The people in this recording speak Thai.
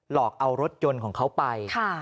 หลอกเอารถยนต์ของเขาไป